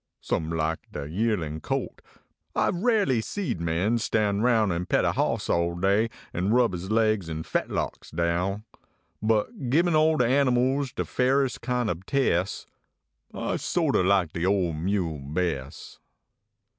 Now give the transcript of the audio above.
Some like the yearlin colt ; I ve raly seed men stand aroun An pet a hoss all day nd rub his legs en fetlocks down ; But gibbin all de animals de faires kind ob tes I so t o like de ole mule bes .